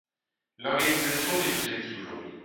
L'organisation n'est plus active aujourd'hui.